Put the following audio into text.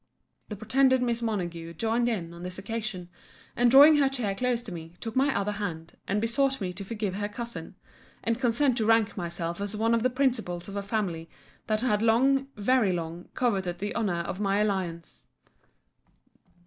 The pretended Miss Montague joined in on this occasion: and drawing her chair close to me, took my other hand, and besought me to forgive her cousin; and consent to rank myself as one of the principals of a family that had long, very long, coveted the honour of my alliance.